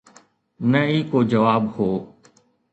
نه ئي ڪو جواب هو.